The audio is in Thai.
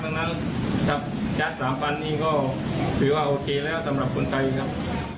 ชั้น๓พันธุ์นี้ก็ถือว่าโอเคแล้วสำหรับคนไทยครับ